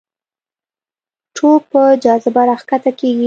توپ په جاذبه راښکته کېږي.